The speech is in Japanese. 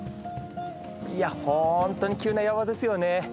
いや本当に急な山ですよね。